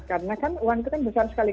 karena kan uang itu kan besar sekali